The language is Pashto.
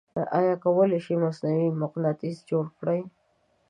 آیا کولی شئ مصنوعې مقناطیس جوړ کړئ؟